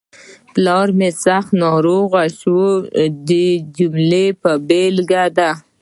پلار مې سخت ناروغ شو د جملې بېلګه ده.